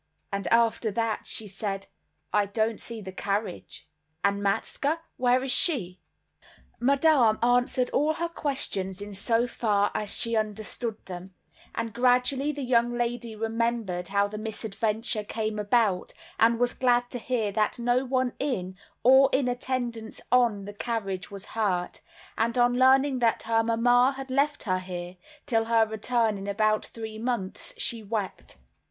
and after that she said, "I don't see the carriage; and Matska, where is she?" Madame answered all her questions in so far as she understood them; and gradually the young lady remembered how the misadventure came about, and was glad to hear that no one in, or in attendance on, the carriage was hurt; and on learning that her mamma had left her here, till her return in about three months, she wept.